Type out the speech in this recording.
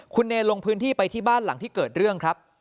คุณเนรลงพื้นที่ไปที่บ้านหลังที่เกิดเรื่องครับ